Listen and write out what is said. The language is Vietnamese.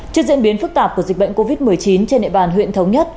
trước diễn biến phức tạp của dịch bệnh covid một mươi chín trên địa bàn huyện thống nhất